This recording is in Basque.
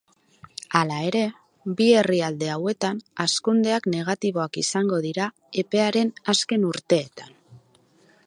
Hala ere, bi herrialde hauetan hazkundeak negatiboak izango dira epearen azken urteetan.